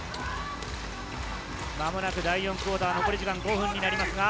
間もなく第４クオーター、残り時間は５分になります。